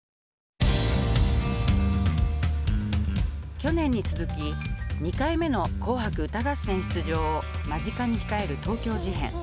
去年に続き２回目の「紅白歌合戦」出場を間近に控える東京事変。